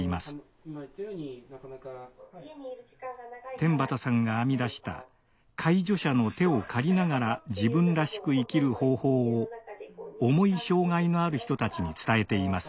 天畠さんが編み出した介助者の手を借りながら自分らしく生きる方法を重い障害のある人たちに伝えています。